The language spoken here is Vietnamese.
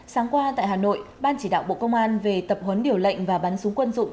sáng qua tại hà nội ban chỉ đạo bộ công an về tập huấn điều lệnh và bắn súng quân dụng